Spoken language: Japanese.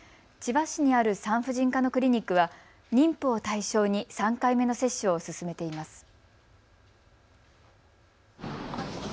千葉市にある産婦人科のクリニックは妊婦を対象に３回目の接種を進めています。